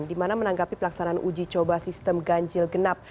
dimana menanggapi pelaksanaan uji coba sistem ganjil genap